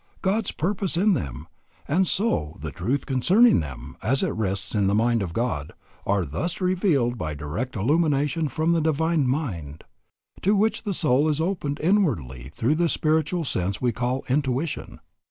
God's purpose in them, and so the truth concerning them, as it rests in the mind of God, are thus revealed by direct illumination from the Divine Mind, to which the soul is opened inwardly through this spiritual sense we call intuition."